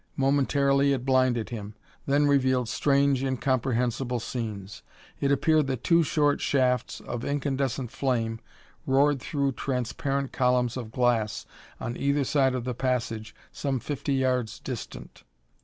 Momentarily it blinded him, then revealed strange, incomprehensible scenes. It appeared that two short shafts of incandescent flame roared through transparent columns of glass on either side of the passage some fifty yards distant.